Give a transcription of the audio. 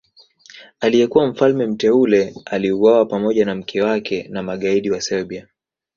Aliyekuwa mfalme mteule aliuawa pamoja na mke wake na magaidi wa Serbia